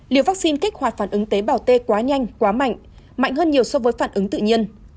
liều vaccine kích hoạt phản ứng tế bào t quá nhanh quá mạnh mạnh hơn nhiều so với phản ứng tự nhiên